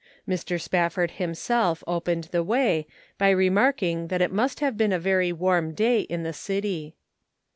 Mr. Spafford himself opened the way, by remark ing that it must have been a very warm day in the city.